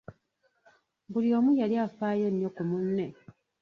Buli omu yali afaayo nnyo ku munne .